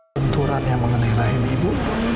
benturan yang mengenai rahim ibu